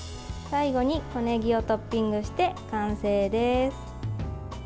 最後に細ねぎをトッピングして完成です。